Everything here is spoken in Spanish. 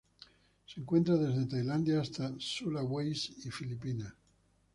Se encuentra desde Tailandia hasta Sulawesi y Filipinas.